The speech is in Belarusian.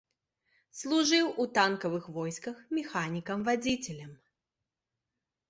Служыў у танкавых войсках механікам-вадзіцелем.